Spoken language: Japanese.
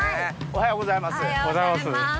おはようございます。